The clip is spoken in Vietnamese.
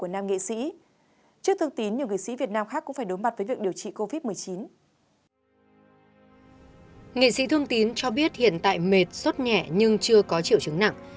nghệ sĩ thương tín cho biết hiện tại mệt suốt nhẹ nhưng chưa có triệu chứng nặng